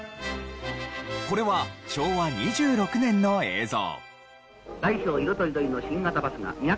これは昭和２６年の映像。